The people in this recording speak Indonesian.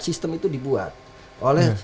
sistem itu dibuat oleh